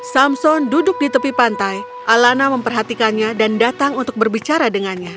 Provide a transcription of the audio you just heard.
samson duduk di tepi pantai alana memperhatikannya dan datang untuk berbicara dengannya